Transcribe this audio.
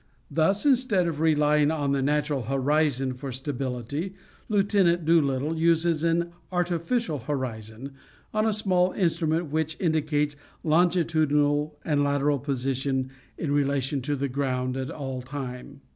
Thus, instead of relying on the natural horizon for stability, Lieut. Doolittle uses an "artificial horizon" on the small instrument which indicates longitudinal and lateral position in relation to the ground at all time.